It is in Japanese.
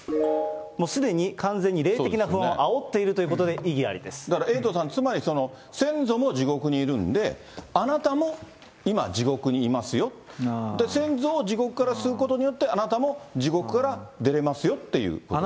すでに完全に霊的な不安をあおっているということで、異議ありでだからエイトさん、つまり、先祖も地獄にいるんで、あなたも今、地獄にいますよ、先祖を地獄から救うことによって、あなたも地獄から出れますよっていうことですか。